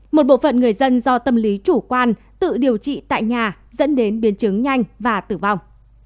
một bộ phận người dân do tâm lý chủ quan tự điều trị tại nhà dẫn đến biến chứng nhanh và tử vong